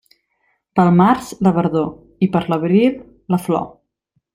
Pel març, la verdor, i per l'abril, la flor.